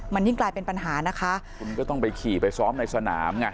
มันยิ่งกลายเป็นปัญหานะคะคุณก็ต้องไปขี่ไปซ้อมในสนามไง